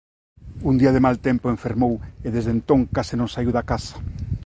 Un día de mal tempo enfermou e desde entón case non saíu da casa.